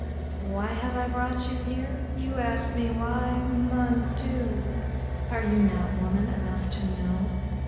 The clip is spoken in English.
Why have I brought you here? You ask me why? Mon Dieu! Are you not woman enough to know?